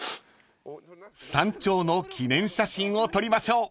［山頂の記念写真を撮りましょう］